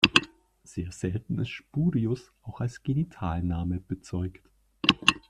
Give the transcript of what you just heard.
Sehr selten ist "Spurius" auch als Gentilname bezeugt.